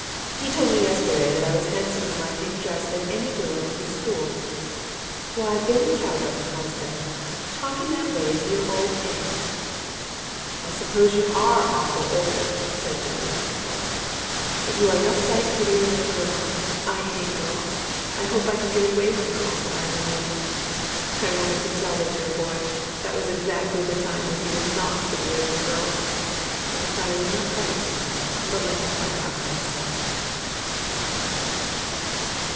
He told me yesterday that I was handsomer in my pink dress than any girl in his school. "Why, Billy Talbert!" I said, "talking that way to your old aunt!" "I suppose you ARE awful old," said Billy, bless him! "but you are enough sight prettier than a girl. I hate girls. I hope I can get away from girls when I am a man." I wanted to tell the dear boy that was exactly the time when he would not get away from girls, but I thought I would not frighten him, but let him find it out for himself.